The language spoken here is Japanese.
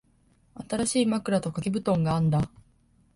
新しい枕と掛け布団があんだ。